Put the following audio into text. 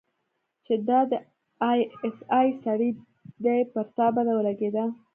چې دا د آى اس آى سړى دى پر تا بده ولګېده.